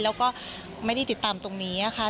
แล้วก็ไม่ได้ติดตามตรงนี้ค่ะ